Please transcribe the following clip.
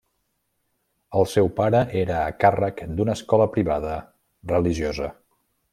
El seu pare era a càrrec d'una escola privada religiosa.